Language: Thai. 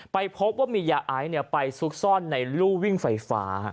ไปพบว่ามียาไอซ์ไปซุกซ่อนในลู่วิ่งไฟฟ้า